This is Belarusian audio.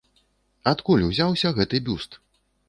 Адкуль узяўся гэты бюст?